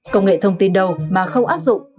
công nghệ thông tin đầu mà không áp dụng